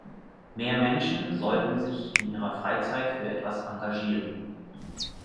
Mehr Menschen sollten sich in Ihrer Freizeit für etwas engagieren.